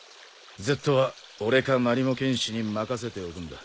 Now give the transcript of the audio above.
Ｚは俺かマリモ剣士に任せておくんだ。